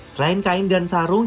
selain kain dan sarung